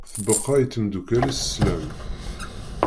Tbeqqa i temddukal-is slam.